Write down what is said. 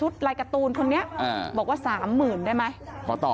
ใบการ์ตูนคนนี้บอกว่า๓๐๐๐๐บาทได้ไหม